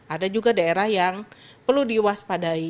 ada juga daerah yang perlu diwaspadai